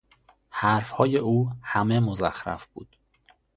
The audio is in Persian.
حرفهای او همه مزخرف بود.